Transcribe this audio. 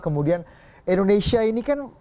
kemudian indonesia ini kan